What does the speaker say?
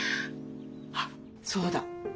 あっそうだ。